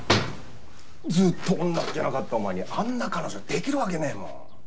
ずっと女っ気なかったお前にあんな彼女できるわけねえもん！